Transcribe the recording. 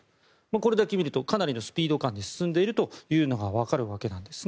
これだけ見るとかなりのスピード感で進んでいるのがわかるわけです。